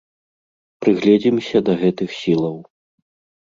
Прыгледзімся да гэтых сілаў.